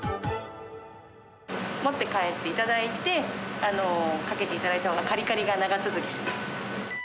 持って帰っていただいて、かけていただいたほうがかりかりが長続きします。